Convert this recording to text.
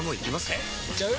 えいっちゃう？